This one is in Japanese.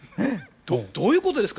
どういうことですか？